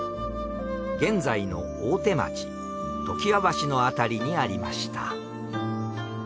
現在の大手町常盤橋の辺りにありました。